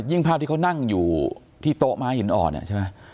ยิ่งภาพที่เขานั่งอยู่ที่โต๊ะไม้หินอ่อนเนี่ยใช่ป่ะ